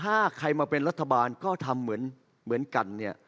ถ้าใครมาเป็นรัฐบาลก็ทำเหมือนกันเนี่ย